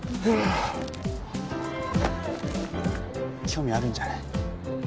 興味あるんじゃない？